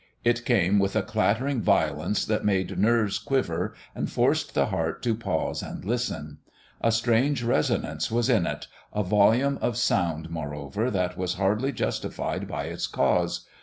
It came with a clattering violence that made nerves quiver and forced the heart to pause and listen. A strange resonance was in it, a volume of sound, moreover, that was hardly justified by its cause.